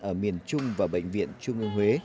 ở miền trung và bệnh viện trung an huế